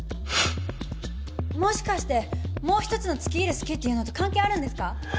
もしかしてもう一つの付け入るすきっていうのと関係あるんですか？